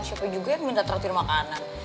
siapa juga yang minta teratur makanan